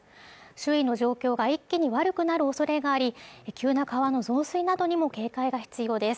周囲の状況が一気に悪くなる恐れがあり急な川の増水などにも警戒が必要です